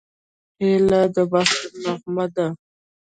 هیلۍ د بهار نغمه ده